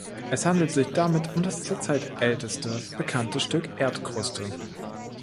Es handelt sich damit um das zurzeit älteste bekannte Stück Erdkruste.